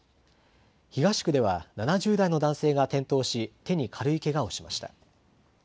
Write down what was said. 東区では７０代の男性が転倒し、手に軽いけがをしました。